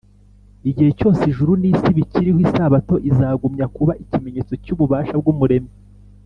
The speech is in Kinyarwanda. ” igihe cyose ijuru n’isi bikiriho, isabato izagumya kuba ikimenyetso cy’ububasha bw’umuremyi